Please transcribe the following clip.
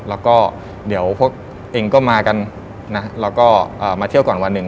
แล้วก็เดี๋ยวพวกเองก็มากันนะแล้วก็มาเที่ยวก่อนวันหนึ่ง